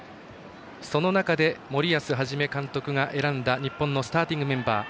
その中で、森保一監督が選んだ日本のスターティングメンバー。